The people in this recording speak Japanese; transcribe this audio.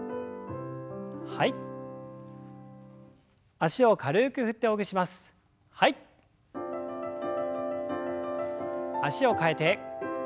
脚を替えて。